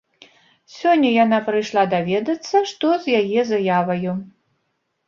Сёння яна прыйшла даведацца, што з яе заяваю.